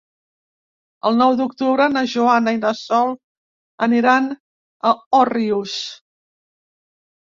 El nou d'octubre na Joana i na Sol aniran a Òrrius.